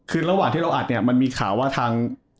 คือระหว่างที่เราอัดเนี่ยมันมีข่าวว่าทาง